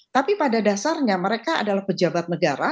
tapi pada dasarnya mereka adalah pejabat negara